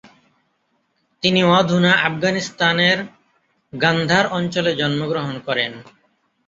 তিনি অধুনা আফগানিস্তানের গান্ধার অঞ্চলে জন্মগ্রহণ করেন।